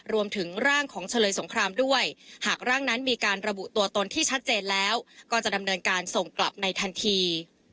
รวมถึงร่างของเฉลยสงครามด้วยหากร่างนั้นมีการระบุตัวตนที่ชัดเจนแล้วก็จะดำเนินการส่งกลับในทันที